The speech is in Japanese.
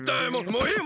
もういい！